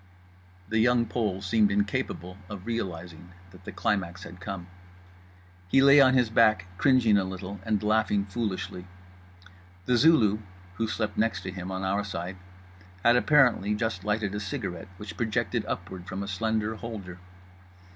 The Young Pole seemed incapable of realising that the climax had come. He lay on his back, cringing a little and laughing foolishly. The Zulu (who slept next to him on our side) had, apparently, just lighted a cigarette which projected upward from a slender holder.